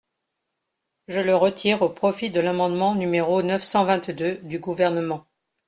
Je le retire au profit de l’amendement numéro neuf cent vingt-deux du Gouvernement.